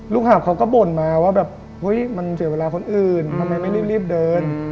หาบเขาก็บ่นมาว่าแบบเฮ้ยมันเสียเวลาคนอื่นทำไมไม่รีบเดิน